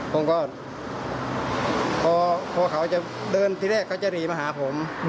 ผมก็พอเขาจะเดินที่แรกเขาจะหนีมาหาผม